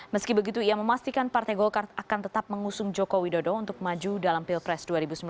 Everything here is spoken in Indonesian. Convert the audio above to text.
meski begitu ia memastikan partai golkar akan tetap mengusung joko widodo untuk maju dalam pilpres dua ribu sembilan belas